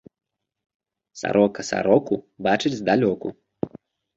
Сарока сароку бачыць здалёку